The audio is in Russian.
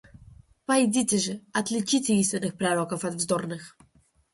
Пойдите же, отличите истинных пророков от вздорных.